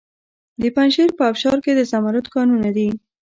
د پنجشیر په ابشار کې د زمرد کانونه دي.